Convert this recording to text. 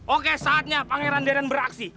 oke saatnya pangeran dern beraksi